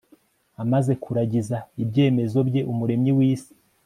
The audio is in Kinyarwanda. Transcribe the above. amaze kuragiza ibyemezo bye umuremyi w'isi